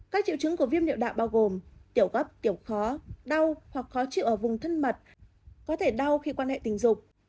các triệu chứng của viêm hiệu đạo bao gồm tiểu gấp tiểu khó đau hoặc khó chịu ở vùng thân mật có thể đau khi quan hệ tình dục